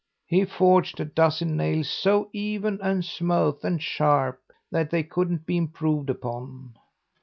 He forged a dozen nails, so even and smooth and sharp that they couldn't be improved upon.